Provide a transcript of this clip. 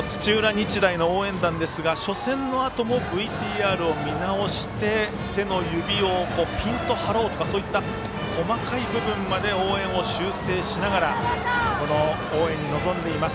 日大の応援団ですが初戦のあともＶＴＲを見直して手の指をピンと張ろうとかそういった細かい部分まで応援を修正しながら応援に臨んでいます。